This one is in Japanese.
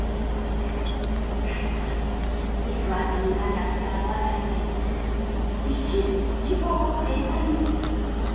彼は行く当てのなかった私たちに生きる希望をくれたんです。